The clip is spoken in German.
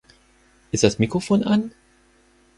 Ist das Mikrofon an?